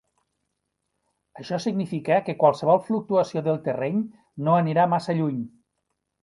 Això significa que qualsevol fluctuació del terreny no anirà massa lluny.